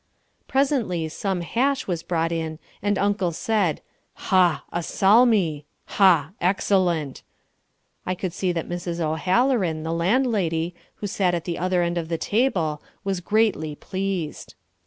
Presently some hash was brought in and Uncle said, "Ha! A Salmi! Ha! excellent!" I could see that Mrs. O'Halloran, the landlady, who sat at the other end of the table, was greatly pleased.